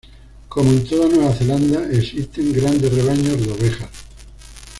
Como en toda Nueva Zelanda, existen grandes rebaños de ovejas.